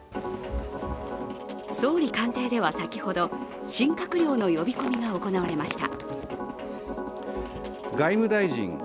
総理官邸では先ほど新閣僚の呼び込みが行われました。